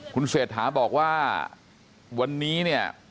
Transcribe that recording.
คุณเศรษฐาบอกว่าวันนี้เนี่ย